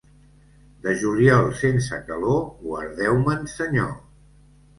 De juliol sense calor, guardeu-me'n, Senyor.